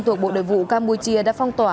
thuộc bộ đội vụ campuchia đã phong tỏa